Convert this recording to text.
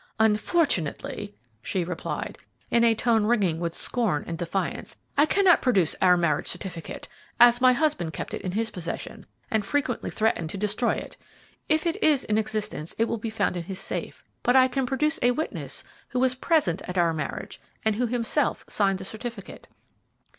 "Unfortunately," she replied, in a tone ringing with scorn and defiance, "I cannot produce our marriage certificate, as my husband kept that in his possession, and frequently threatened to destroy it. If it is in existence, it will be found in his safe; but I can produce a witness who was present at our marriage, and who himself signed the certificate."